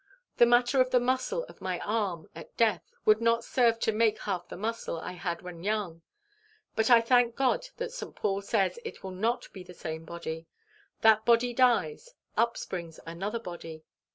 The matter in the muscle of my arm at death would not serve to make half the muscle I had when young. But I thank God that St. Paul says it will not be the same body. That body dies up springs another body.